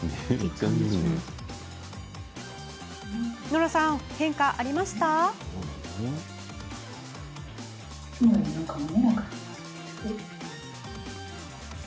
ノラさん、変化はありましたか？